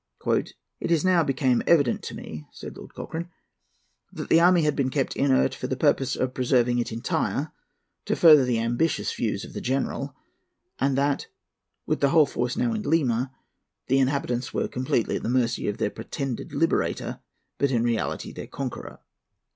"It is now became evident to me," said Lord Cochrane, "that the army had been kept inert for the purpose of preserving it entire to further the ambitious views of the General, and that, with the whole force now at Lima, the inhabitants were completely at the mercy of their pretended liberator, but in reality their conqueror."